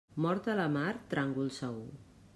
Mort a la mar, tràngol segur.